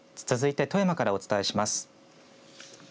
続いて富山からお伝えします。